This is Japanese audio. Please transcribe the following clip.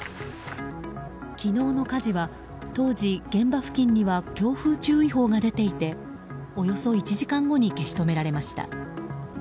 昨日の火事は当時、現場付近には強風注意報が出ていておよそ１時間後に消し止められました。